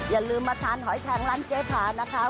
อย่าลืมมาทานหอยแทงร้านเจ๊พานะคะ